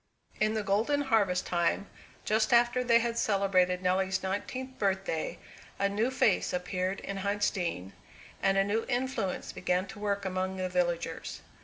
In the golden harvest time, just after they had celebrated Nelly's nineteenth birthday, a new face appeared in Huntsdean, and a new influence began to work among the villagers.